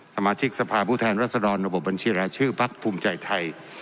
สมาชิกสภาพผู้แทนรัศดรระบบบบัญชีรายชื่อพักภูมิใจไทย